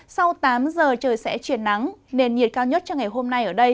sau tám giờ trời sẽ chuyển nắng nền nhiệt cao nhất cho ngày hôm nay ở đây